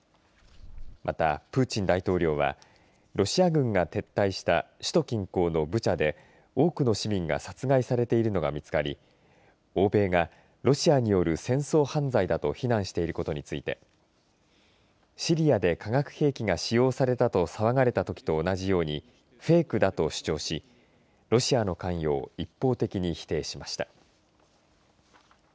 またプーチン大統領はロシア軍が撤退した首都近郊のブチャで多くの市民が殺害されているのが見つかり欧米がロシアによる戦争犯罪だと非難していることについてシリアで化学兵器が使用されたと騒がれたときと同じようにフェークだと主張しロシアの関与を一方的に否定しました。